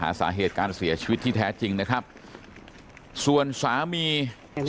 ต่างก็สาเหตุการเสียชีวิตที่แท้จริงนะครับสะอาฆิไฟ้สุดเทียส